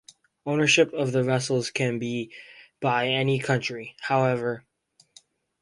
Ownership of the vessels can be by any country, however.